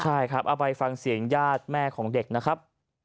ใช่ครับเอาไปฟังเสียงญาติแม่ของเด็กนะครับ